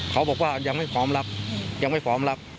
เขาบอกว่ายังไม่พร้อมรับยังไม่พร้อมรับ